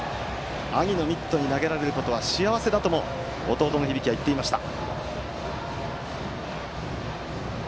兄のミットに投げられることは幸せだとも弟の響は言っていました。